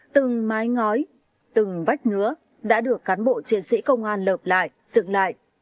từng mái ngói từng vách nứa đã được cán bộ chiến sĩ công an lợp lại dựng lại